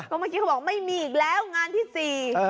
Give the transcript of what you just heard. เมื่อกี้เขาบอกไม่มีอีกแล้วงานที่สี่